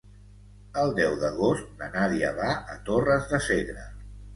El deu d'agost na Nàdia va a Torres de Segre.